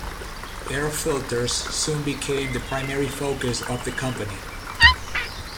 Air filters soon became the primary focus of the company.